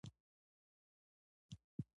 د صاحب نظرانو باور شمېر پنځو سوو ته رسېده